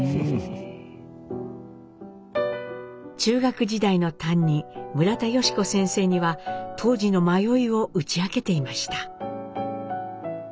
中学時代の担任村田芳子先生には当時の迷いを打ち明けていました。